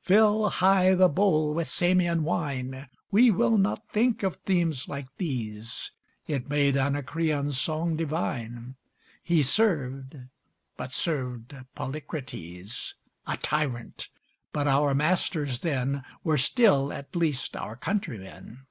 Fill high the bowl with Samian wine! We will not think of themes like these: It made Anacreon's song divine; He served but served Polycrates A tyrant: but our masters then Were still at least our countrymen.